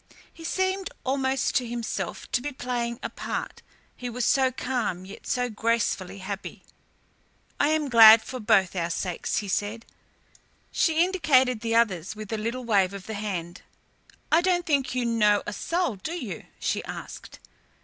He seemed, almost to himself, to be playing a part, he was so calm yet so gracefully happy. "I am glad for both our sakes," he said. She indicated the others with a little wave of the hand. "I don't think you know a soul, do you?" she asked.